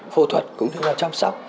phụ thuật cũng như là chăm sóc